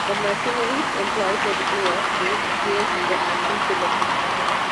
The mercenaries employed by the player gain experience from the actions they perform.